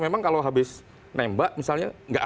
memang kalau habis nembak misalnya